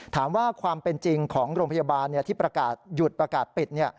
ถามว่าความเป็นจริงของโรงพยาบาลที่ประกาศหยุดประกาศปิด